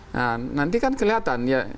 nah nanti kan kelihatan ya